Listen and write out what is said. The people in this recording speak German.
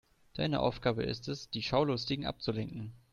Deine Aufgabe ist es, die Schaulustigen abzulenken.